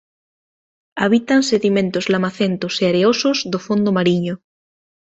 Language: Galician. Habitan sedimentos lamacentos e areosos do fondo mariño.